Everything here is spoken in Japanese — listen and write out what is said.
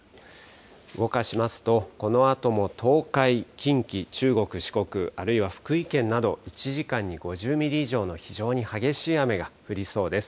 動かしますと、このあとも東海、近畿、中国、四国、あるいは福井県など、１時間に５０ミリ以上の非常に激しい雨が降りそうです。